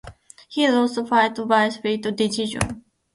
He lost the fight by split decision.